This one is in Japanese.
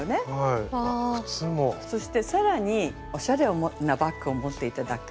そして更におしゃれなバッグを持って頂く。